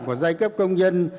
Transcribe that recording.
của giai cấp công nhân